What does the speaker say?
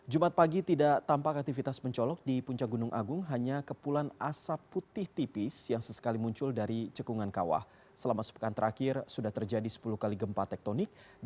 jumat pagi tidak tampak aktivitas mencolok di puncak gunung agung hanya kepulan asap putih tipis yang sesekali muncul dari cekungan